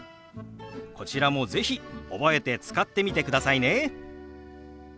こちらも是非覚えて使ってみてくださいね。